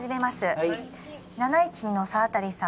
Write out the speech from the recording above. はい７１２の沢渡さん